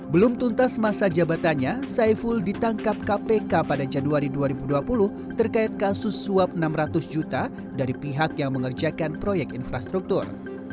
belum tuntas masa jabatannya saiful ditangkap kpk pada januari dua ribu dua puluh terkait kasus suap enam ratus juta dari pihak yang mengerjakan proyek infrastruktur